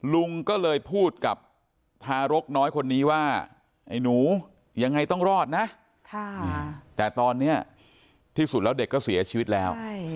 ลุงก็เลยพูดกับทารกน้อยคนนี้ว่าไอ้หนูยังไงต้องรอดนะแต่ตอนนี้ที่สุดแล้วเด็กก็เสียชีวิตแล้ว